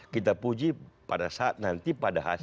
kita puji pada saat nanti pada hasil